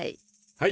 はい。